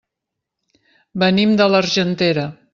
Venim de l'Argentera.